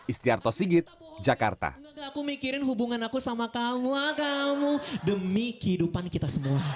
istiarto sigit jakarta